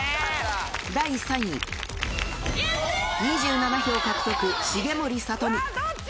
第３位、２７票獲得、重盛さと美。